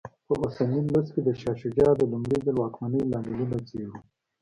په اوسني لوست کې د شاه شجاع د لومړي ځل واکمنۍ لاملونه څېړو.